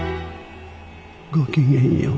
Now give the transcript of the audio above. ごきげんよう。